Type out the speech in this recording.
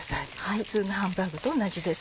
普通のハンバーグと同じです。